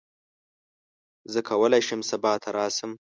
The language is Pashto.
زه کولی شم سبا ته راشم.